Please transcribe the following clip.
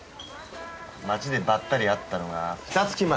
街でばったり会ったのが二月前。